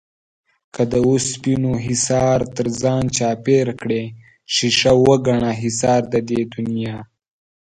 که د اوسپنو حِصار تر ځان چاپېر کړې ښيښه وگڼه حِصار د دې دنيا